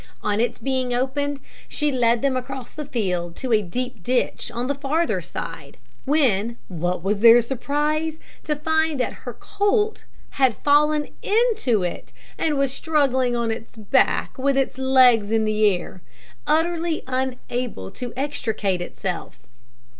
On its being opened, she led them across the field to a deep ditch on the farther side, when, what was their surprise to find that her colt had fallen into it, and was struggling on its back with its legs in the air, utterly unable to extricate itself.